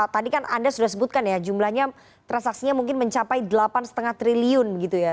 tadi kan anda sudah sebutkan ya jumlahnya transaksinya mungkin mencapai delapan lima triliun begitu ya